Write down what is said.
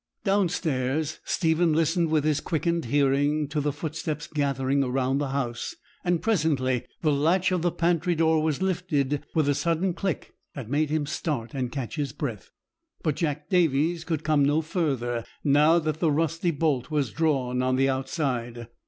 Down stairs Stephen listened with his quickened hearing to the footsteps gathering round the house; and presently the latch of the pantry door was lifted with a sudden click that made him start and catch his breath; but Jack Davies could come no further, now the rusty bolt was drawn on the outside.